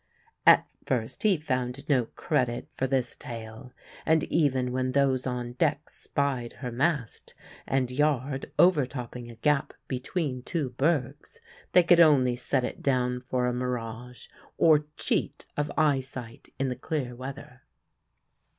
At first he found no credit for this tale, and even when those on deck spied her mast and yard overtopping a gap between two bergs, they could only set it down for a mirage or cheat of eyesight in the clear weather.